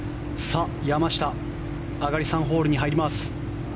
山下上がり３ホールに入ります。